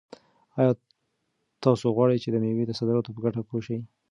آیا تاسو غواړئ چې د مېوو د صادراتو په ګټه پوه شئ؟